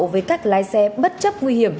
với các lái xe bất chấp nguy hiểm